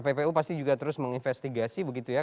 ppu pasti juga terus menginvestigasi begitu ya